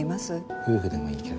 夫婦でもいいけど。